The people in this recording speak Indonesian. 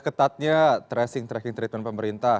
ketatnya tracing tracking treatment pemerintah